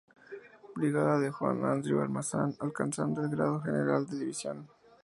Brigada de Juan Andrew Almazán, alcanzando el grado de general de división.